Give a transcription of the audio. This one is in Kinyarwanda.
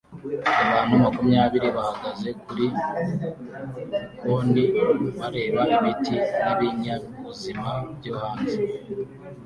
Abantu Makumyabiri bahagaze kuri bkoni bareba ibiti n'ibinyabuzima byo hanze